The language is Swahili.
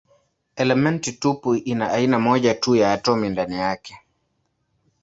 Elementi tupu ina aina moja tu ya atomi ndani yake.